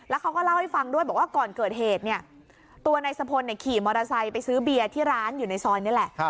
เขาก็เล่าให้ฟังด้วยบอกว่าก่อนเกิดเหตุเนี่ยตัวนายสะพลขี่มอเตอร์ไซค์ไปซื้อเบียร์ที่ร้านอยู่ในซอยนี่แหละ